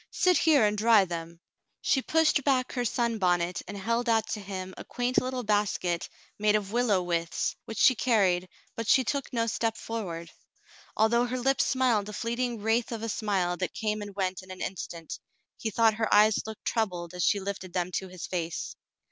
Sit here and dry them." She pushed back her sunbonnet and held out to him a quaint little basket made of willow withes, which she carried, but she took no step forward. Although her lips smiled a fleeting wraith of a smile that came and went in an instant, he thought her eyes looked troubled as she lifted them to his face.